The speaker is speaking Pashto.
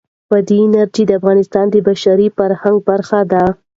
بادي انرژي د افغانستان د بشري فرهنګ برخه ده.